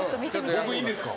僕いいんですか？